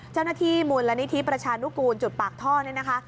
เจ้าหน้าที่มูลนิธิประชานุกูลจุดปากท่อนี่นะคะ